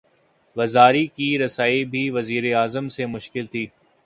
وزرا کی رسائی بھی وزیر اعظم سے مشکل تھی۔